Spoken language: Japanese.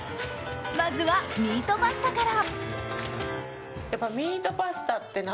まずはミートパスタから。